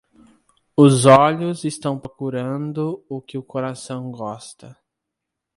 Os olhos estão procurando o que o coração gosta.